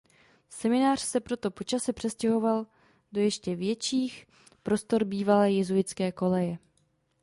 Seminář se proto po čase přestěhoval do ještě větších prostor bývalé jezuitské koleje.